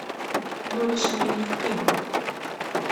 Ma ulac aɣilif qim!